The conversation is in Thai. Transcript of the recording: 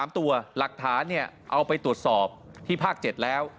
๓ตัวหลักฐานเอาไปตรวจสอบที่ภาค๗แล้ว